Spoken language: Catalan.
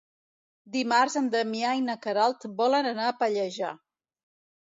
Dimarts en Damià i na Queralt volen anar a Pallejà.